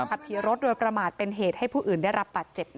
ขับขี่รถโดยกระหม่าดเป็นเหตุให้ผู้อื่นได้รับปัจเจ็บนะคะ